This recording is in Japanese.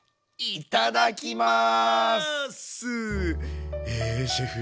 いただきます。